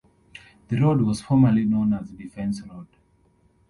The road was formerly known as Defence Road.